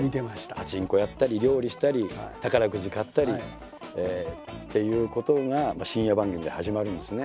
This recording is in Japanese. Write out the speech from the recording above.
パチンコやったり料理したり宝くじ買ったりっていうことが深夜番組で始まるんですね。